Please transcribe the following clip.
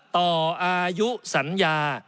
ต่ออายุสัญญา